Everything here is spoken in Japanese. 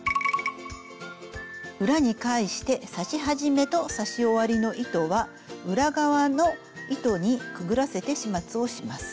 裏に返して刺し始めと刺し終わりの糸は裏側の糸にくぐらせて始末をします。